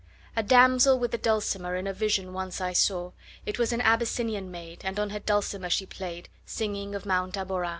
A damsel with a dulcimer In a vision once I saw: It was an Abyssinian maid, And on her dulcimer she play'd, 40 Singing of Mount Abora.